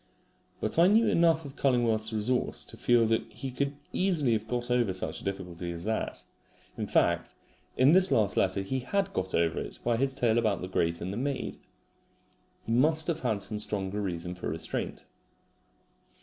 But I knew enough of Cullingworth's resource to feel that he could easily have got over such a difficulty as that. In fact, in this last letter he HAD got over it by his tale about the grate and the maid. He must have had some stronger reason for restraint.